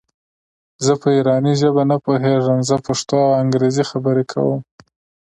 زه په ایراني ژبه نه پوهېږم زه پښتو او انګرېزي خبري کوم.